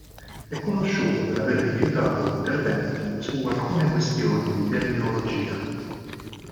È conosciuto per aver rifiutato interventi su alcune questioni di terminologia.